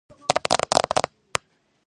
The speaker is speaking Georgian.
კედელში დარჩენილია მისი ბუდე.